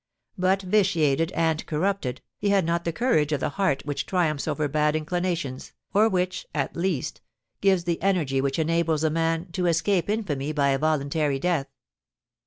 But, vitiated and corrupted, he had not the courage of the heart which triumphs over bad inclinations, or which, at least, gives the energy which enables a man to escape infamy by a voluntary death.